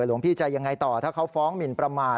หลวงพี่จะยังไงต่อถ้าเขาฟ้องหมินประมาท